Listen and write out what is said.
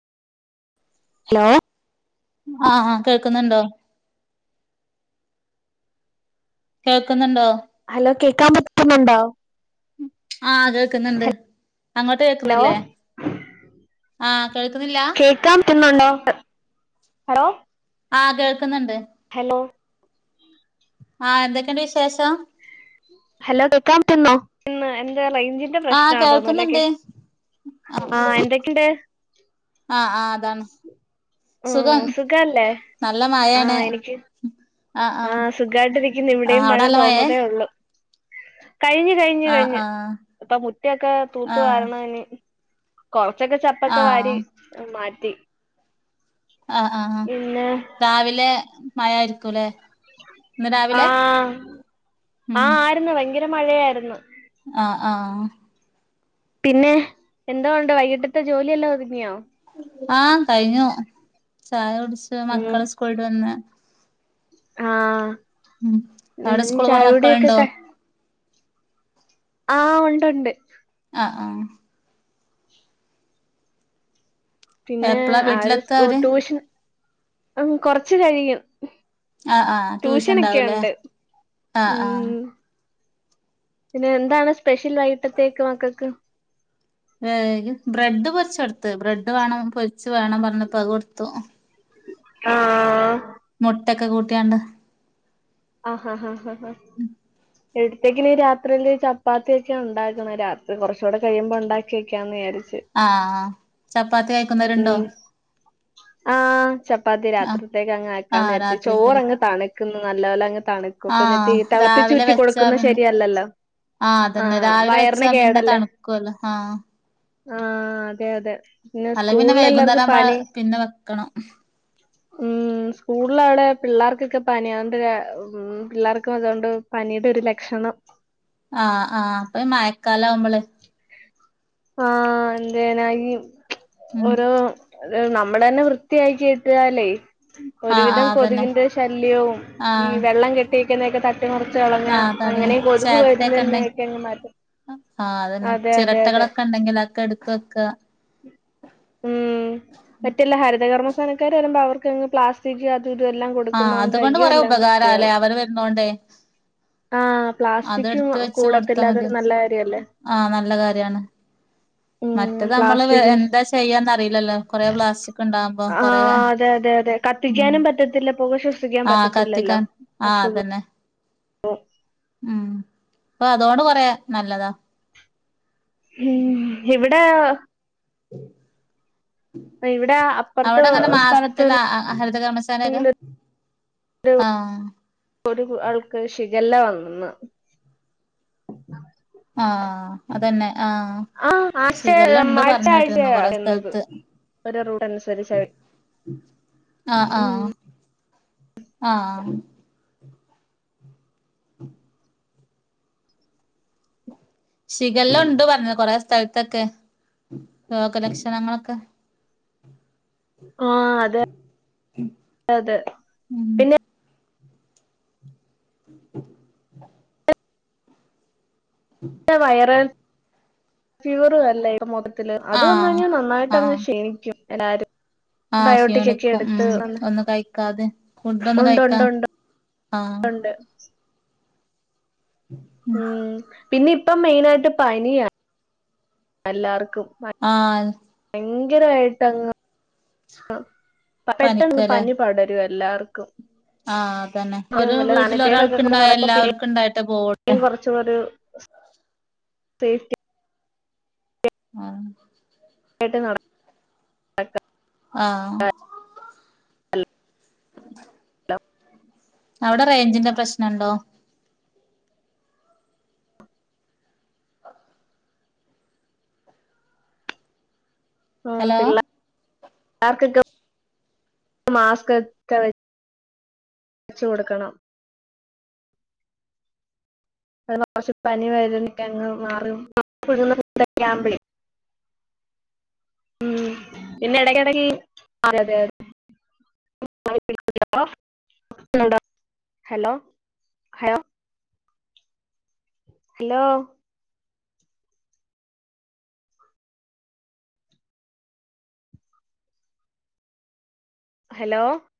Hello ആഹ് ആഹ് കേൾക്കുന്നുണ്ടോ കേൾക്കുന്നുണ്ടോ ഹലോ കേൾക്കാൻ പറ്റുന്നുണ്ടോ ആഹ് കേക്ക്ന്ന്ണ്ട് അങ്ങട്ട് ഹലോ കേക്കുന്നില്ലേ ആഹ് കേൾക്കുന്നില്ല കേക്കാൻ എന്നുണ്ടോ, ഹലോ ആഹ് കേൾക്കുന്ന്ണ്ട്. ഹലോ ആഹ് എന്തൊക്കെയുണ്ട് വിശേഷം ഹലോ കേക്കാൻ പറ്റുന്നോ പിന്ന എന്താ റേഞ്ച് ന്റെ ആഹ് പ്രശ്നാ തോന്നൂലക്കെ കേൾക്കുന്നുണ്ട് ആഹ് എന്തൊക്കെണ്ട് ആഹ് ആഹ് അതാണ്. ഉം സുഖം സുഖല്ലേ നല്ല മഴാണ് ആഹ് സുഖായിട്ടിരിക്കുന്നു. ഇവിടെയും മഴ നല്ല മഴേ തോർന്നതേ ഉള്ളു കഴിഞ്ഞ് കഴിഞ്ഞ് ആഹ് കഴിഞ്ഞ് ആഹ് പ്പൊ മുറ്റൊക്കെ തൂത്തു ആഹ് വാരണനീ കൊറച്ചൊക്കെ ചപ്പൊക്കെ ആഹ് വാരി മാറ്റി ആഹ് ആഹ് ആഹ് പിന്നെ രാവിലെ മഴായിരിക്കുംല്ലേ ആഹ് ഉം ആഹ് ആരുന്നു ഭയങ്കര മഴയായിരുന്നു ആഹ് ആഹ് പിന്നെ എന്തോ ഉണ്ട് വൈകിട്ടത്തെ ജോലിയല്ലാം ഒതുങ്ങിയോ? ആഹ് കഴിഞ്ഞു. ചായ കുടിച്ച് മക്കള് സ്കൂൾട്ട് വന്ന് ആഹ്‌ ഉം അവിടെ സ്കൂള് പോണ ചായൂടിയൊക്കെ മക്കളുണ്ടോ ക ആഹ് ഉണ്ട് ഉണ്ട് ആഹ് ആഹ് പിന്നെ എപ്പളാ ആര് വീട്ടിലെത്താ സ്കൂ അവര് ട്യൂഷൻ കൊറച്ച് കഴിയും ആഹ് ആഹ് ട്യൂഷൻ ഉണ്ടാവൂലേ ട്യൂഷനൊക്കെയുണ്ട് ആഹ് ആഹ് ഉം പിന്നെ എന്താണ് സ്പെഷ്യലായിട്ട് വൈകിട്ടത്തേക്ക് മക്കക്ക് ഏഹ് ബ്രെഡ് പൊര്ച്ചൊട്ത്ത് ബ്രെഡ് വേണം പൊരിച്ച് വേണം പറഞ്ഞപ്പഠ അത് കൊടുത്തു ആഹ് മുട്ടക്കെ കൂട്ടിയാണ്ട് ആഹ് ഹാ ഹാ ഹാ ഹാ എടുത്തേക്കില് രാത്രില് ചപ്പാത്തിയൊക്കെ ഉണ്ടാക്കണം. രാത്രി കുറച്ചൂടെ കഴിയുമ്പോ ഉണ്ടാക്കി വക്കാന്ന് വിചാരിച്ച് ആഹ് ചപ്പാത്തി കഴിക്കുന്നവരുണ്ടോ? ഉം ആഹ് ചപ്പാത്തി ആഹ് രാത്രി തേക്ക് അങ്ങ് ആഹ് ആക്കാന്ന് രാച്ച് രാത്രിക്കല്ലേ ച്ചോറങ്ങ് തണ് നല്ലോലങ്ങ് തണുക്കും ന്നട്ടീ ആഹ് രാവിലെ തെളപ്പിച്ചൂറ്റി വെച്ചാ കൊടുക്കുന്ന പിന്നെ ശരിയല്ലല്ലോ ആഹ് അതന്നെ രാവിലെ വയറിന് വെച്ചാ പിന്നെ കേടല്ലേ തണുക്കുവല്ലോ ആഹ് ആഹ് അതെ അതെ പിന്നെ അല്ലെങ്കി വൈകുന്നേരം സ്കൂളെല്ലാർക്കും നമ്മള് പനി പിന്നെ വെക്കണം ഉം സ്കൂളിൽ അവിടെ പിള്ളേർക്കൊക്കെ പനിയ [unintelligible] ഉം പിള്ളേർക്കും അതൊണ്ട് പനിയുടെ ഒരു ലക്ഷണം ആഹ് ആഹ് അപ്പൊ ഈ മായക്കാല ആവുമ്പള് ആഹ് എന്തേനാ ഈ ഉം ഓരോ നമ്മളന്നെ വൃത്തിയാക്കിട്ടാലേ ആഹ് ഒരുവിധം ആഹ് അതന്നെ കൊതുകിന്റെ ശല്യവും. ഈ ആഹ് വെള്ളം കെട്ടിക്കുന്നൊക്കെ ത ട്ടി മറിച്ച് കളഞ്ഞാ ആഹ് അതാണ് അങ്ങനെ കൊതുക് ചേരട്ടയൊക്കെ ഉണ്ടെ വരുന്നന്നെക്കെ അങ്ങ് മാറ്റും ആഹ് അതന്നെ അതെ അതെ അതെ ചിരട്ടകളൊക്കെ ണ്ടെങ്കിൽ അക്കെ എടുത്ത് വെക്കാ ഉം മറ്റല്ല ഹരിതകർമ്മസേനക്കാര് വരുമ്പോ അവർക്കങ്ങ് പ്ലാസ്റ്റിക് ക് എല്ലാം കൊടുക്കുന്നോണ്ട് അയ്യോ എല്ലാം വൃത്തിയാവും ന്നോണ്ടേ ആഹ് പ്ലാസ്റ്റിക്ക് വെച്ച് കൊടുത്താ കൂടത്തില്ലാ മതി അതൊരു നല്ല കാര്യല്ലേ ആഹ് നല്ല കാര്യാണ് ഉം മറ്റത് മ്മള് വേ പ്ലാസ്റ്റിക് എന്താ ചെയ്യാന്നറില്ലല്ലോ കൊറെ പ്ലാസ്റ്റിക്ണ്ടാവുമ്പോ കൊറെ ആഹ് അതെ അതെ അതെ കത്തിക്കാനും പറ്റത്തില്ല. പുക ശ്വസിക്കാൻ ആഹ് പറ്റത്തില്ലല്ലോ കത്തിക്കാൻ ആഹ് അസുഖം അതന്നെ ഖം ഉം പ്പൊ അതോണ്ട് കൊറെ നല്ലതാ ഹും ഇവിടെ ഇവിടെ [inaudible] അപ്പുറത്തെ അവിടെ ങ്ങനെ സ്ഥലത്ത് മാസ്ത്തിലാ ഹരിതകർമ്മസേന വെര്യാ ങ്കിൽ ആഹ് ഒരു ആൾക്ക് ഷിഗല്ല വന്നെന്ന് - ആഹ് അതന്നെ ആഹ് ആഹ് ആഴ്ച ഷിഗല്ല ഇണ്ട് ആഴ്ച ആഴ്ച പറഞ്ഞാട്ടിരുന്നു കൊറെ വരുന്നത് സ്ഥലത്ത് ഒരു റൂട്ട് അനുസരിച്ച ആഹ ആഹ് ഉം ആഹ് ഉം ഷിഗല്ല ഉണ്ട് പറഞ്ഞത് കൊറെേ സ്ഥലത്തൊക്കെ രോഗലക്ഷണങ്ങളൊക്കെ ആഹ് അതെ അതെ ഉം പിന്നെ ! ! ! ! ! വൈറൽ ഫീവറും അല്ലേ ഇപ്പം മൊത്തത്തില് അത് വന്ന് ആഹ് കഴിഞ്ഞാൽ നന്നായിട്ട് അങ്ങ് ആഹ് ക്ഷീണിക്കും എല്ലാരും ആഹ് ബയോട്ടിക് ഒക്കെ ക്ഷീണിക്കും എടുത്ത് ഉം വന്ന് ഒന്നും കഴിക്കാതെ ഫുഡൊന്നും ഒണ്ടൊ കഴിക്കാ ണ്ട് ആഹ് ഒണ്ട് ഉം പിന്നെ ഇപ്പം മെയിനായിട്ട് പനിയ എല്ലാർക്കും ആഹ് ഭയങ്കരമായിട്ടങ്ങ് ആഹ് പെട്ടന്ന് പനിക്കല്ലേ പനി പടരും എല്ലാർക്കും ആഹ് അതന്നെ ഒരു വീട്ടിൽ ഒക്കെ ഒരാൾക്ക് ഇണ്ടായ എല്ലാവർക്കും ഇണ്ടായിട്ടെ പോവുള്ളു എന്തോ ഒരു സേഫ്റ്റി- ആഹ് ആയിട്ട് നട ആഹ് [inaudible] [inaudible] അവിടെ റേഞ്ചിന്റെ പ്രശ്നോണ്ടോ ആഹ് ഹലോ പിള്ള പിള്ളർക്കൊക്കെ മാസ്ക് ഒക്കെ വെച്ച് വെച്ചു കൊടുക്കണം പനി [inaudible] മാറും [inaudible] ഉം പിന്നെ ഇടക്കെടക്കീ അതെതെ [inaudible] ഹലോ ഹലോ ഹലോ ഹലോ